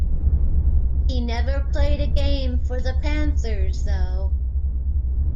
He never played a game for the Panthers, though.